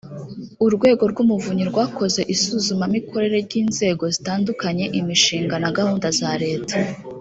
urwego rw umuvunyi rwakoze isuzumamikorere ry inzego zitandukanye imishinga na gahunda za leta